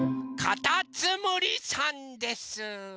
かたつむりさんです！